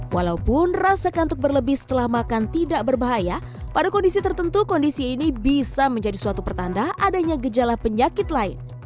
walaupun rasa kantuk berlebih setelah makan tidak berbahaya pada kondisi tertentu kondisi ini bisa menjadi suatu pertanda adanya gejala penyakit lain